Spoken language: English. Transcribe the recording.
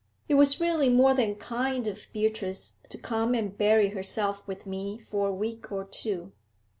It was really more than kind of Beatrice to come and bury herself with me for a week or two.'